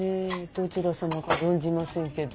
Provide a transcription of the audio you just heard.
どちらさまか存じませんけど。